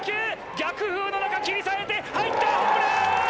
逆風の中切り裂いて入ったホームラン！